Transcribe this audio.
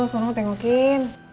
suara lo tengokin